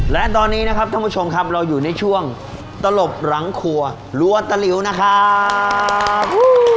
และตอนนี้นะครับท่านผู้ชมครับเราอยู่ในช่วงตลบหลังครัวรัวตะหลิวนะครับ